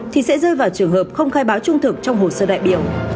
thì sẽ rơi vào trường hợp không khai báo trung thực trong hồ sơ đại biểu